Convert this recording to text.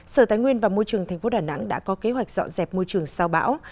sở tài nguyên và môi trường tp đà nẵng đã có kế hoạch dọn dẹp môi trường sau bão